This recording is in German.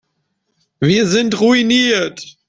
Wir sind ruiniert.